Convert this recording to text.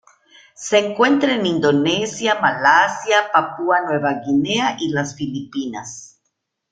Se encuentra en Indonesia, Malasia, Papua Nueva Guinea y las Filipinas.